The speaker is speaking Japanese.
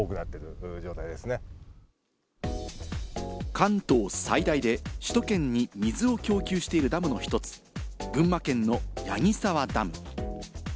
関東最大で、首都圏に水を供給しているダムの１つ、群馬県の矢木沢ダム。